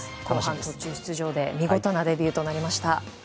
後半途中出場で見事なデビューとなりました。